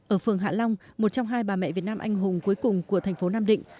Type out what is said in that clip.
ở phường hạ long một trong hai bà mẹ việt nam anh hùng cuối cùng của thành phố nam định